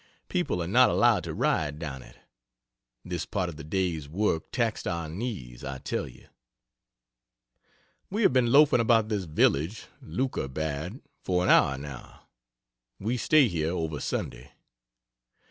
People are not allowed to ride down it. This part of the day's work taxed our knees, I tell you. We have been loafing about this village (Leukerbad) for an hour, now we stay here over Sunday.